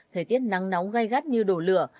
thời tiết nắng nóng gai gắt như đổ lửa